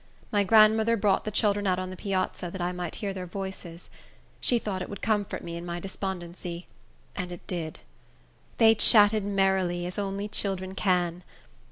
My grandmother brought the children out on the piazza, that I might hear their voices. She thought it would comfort me in my despondency; and it did. They chatted merrily, as only children can.